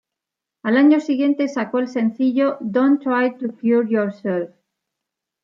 Al año siguiente sacó el sencillo ""Don't Try to Cure Yourself"".